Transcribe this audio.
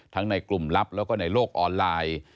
ทั้งในกลุ่มลับและในโลกออนไลน์